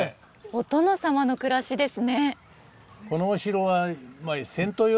お殿様の暮らしですね。